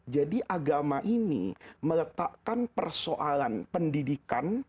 jadi agama ini meletakkan persoalan pendidikan